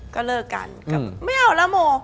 ก็เลิกกันก็ไม่เอาแล้วโม